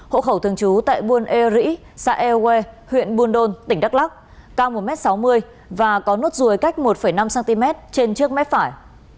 hộ khẩu thường trú tại buôn eo rĩ xã eo que huyện buôn đôn tỉnh đắk lắc ca một m sáu mươi và có nốt ruồi cách một năm cm trên trước mép phải